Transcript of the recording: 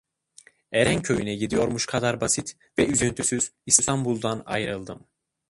Erenköy'üne gidiyormuş kadar basit ve üzüntüsüz, İstanbul'dan aynldım.